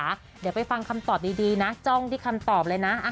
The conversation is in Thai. เดี๋ยวไปฟังคำตอบดีนะจ้องที่คำตอบเลยนะ